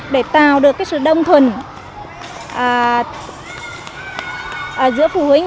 để tạo được sự đông thuần giữa phụ huynh